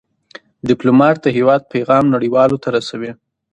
ډيپلومات د هېواد پېغام نړیوالو ته رسوي.